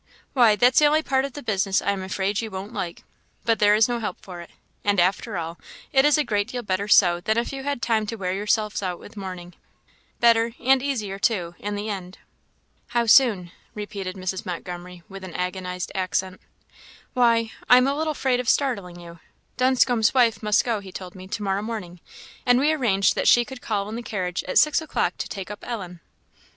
"Why, that's the only part of the business I am afraid you won't like but there is no help for it; and, after all, it is a great deal better so than if you had time to wear yourselves out with mourning; better, and easier too, in the end." "How soon?" repeated Mrs. Montgomery, with an agonized accent. "Why, I'm a little afraid of startling you Dunscombe's wife must go, he told me, to morrow morning; and we arranged that she could call in the carriage at six o'clock to take up Ellen."